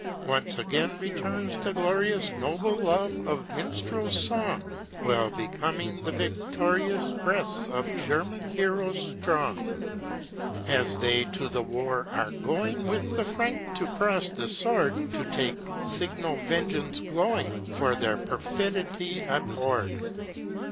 Once again returns the glorious Noble love of minstrel's song, Well becoming the victorious Breasts of German heroes strong, As they to the war are going With the Frank to cross the sword, To take signal vengeance glowing For their perfidy abhorr'd.